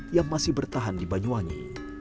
yang masih bertahan di banyuwangi